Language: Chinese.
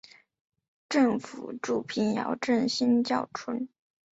政府驻瓶窑镇新窑村。